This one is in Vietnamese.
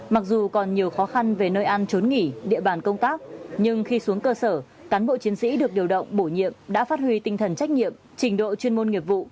mặc dù còn nhiều khó khăn về nơi ăn trốn nghỉ địa bàn công tác nhưng khi xuống cơ sở cán bộ chiến sĩ được điều động bổ nhiệm đã phát huy tinh thần trách nhiệm trình độ chuyên môn nghiệp vụ